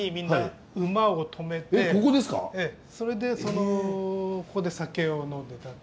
それでここで酒を呑んでたっていう。